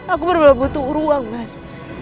aku bener bener butuh ruang mas